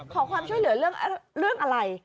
ขอความช่วยเหลือเรื่องอะไร